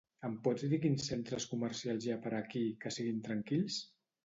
Em pots dir quins centres comercials hi ha per aquí que siguin tranquils?